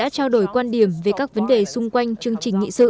xin mời chị